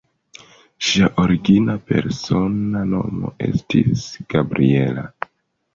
Ŝia origina persona nomo estis "Gabriella".